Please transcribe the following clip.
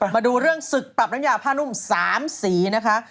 มาดูเรื่องศึกปรับน้ำยาผ้านุ่ม๓สีนะคะ